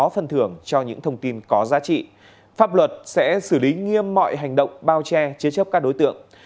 pháp luật sẽ xử lý nghiêm mọi hành động bao che chế chấp các đối tượng